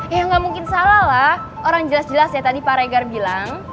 ya nggak mungkin salah lah orang jelas jelas ya tadi pak regar bilang